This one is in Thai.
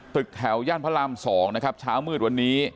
ตึกแถวย่านพระราม๒นะครับเช้ามืดวันนี้